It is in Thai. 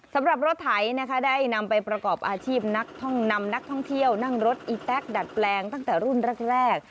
สำหรับรถไถนะคะได้นำไปประกอบอาชีพนักท่องนำนักท่องเที่ยวนั่งรถอีแต๊กดัดแปลงตั้งแต่รุ่นแรก